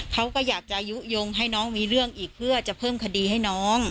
เขาก็อยากจะยุโยงให้น้องมีเรื่องอีกเพื่อจะเพิ่มคดีให้น้อง